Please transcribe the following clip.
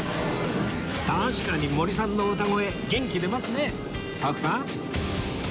確かに森さんの歌声元気出ますね徳さん